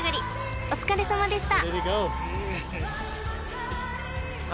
［お疲れさまでした！］